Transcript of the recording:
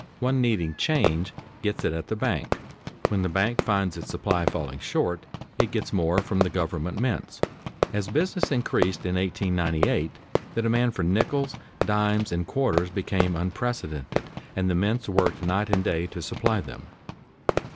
One needing "change" gets it at the bank; when the bank finds its supply falling short it gets more from the government mints. As business increased in 1898, the demand for nickels, dimes, and quarters became unprecedented, and the mints worked night and day to supply them.